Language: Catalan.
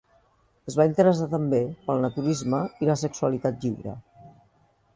Es va interessar també pel naturisme i la sexualitat lliure.